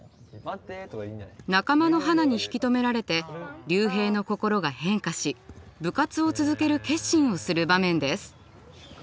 仲間のハナに引き止められてリュウヘイの心が変化し部活を続ける決心をする場面です。